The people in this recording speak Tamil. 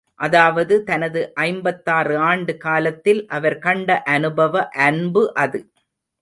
அதாவது தனது ஐம்பத்தாறு ஆண்டு காலத்தில் அவர் கண்ட அனுபவ அன்பு அது.